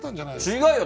違うよ。